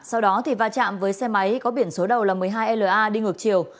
sau đó thì va chạm với xe máy có biển số đầu là một mươi hai la đi ngược chiều